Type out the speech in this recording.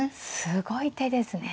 すごい手ですね。